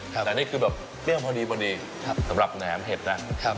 ครับแต่นี่คือแบบเปรี้ยวพอดีพอดีครับสำหรับแหนมเห็ดน่ะครับ